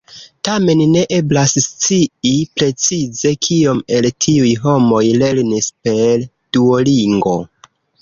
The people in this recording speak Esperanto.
Tamen, ne eblas scii precize kiom el tiuj homoj lernis per Duolingo.